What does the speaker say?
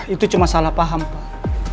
itu cuma salah paham pak